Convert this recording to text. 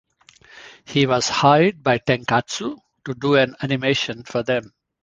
He was hired by Tenkatsu to do an animation for them.